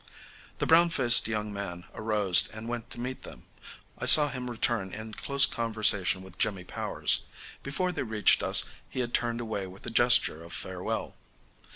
The brown faced young man arose and went to meet them. I saw him return in close conversation with Jimmy Powers. Before they reached us he had turned away with a gesture of farewell.